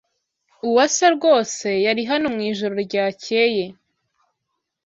Uwase rwose yari hano mwijoro ryakeye.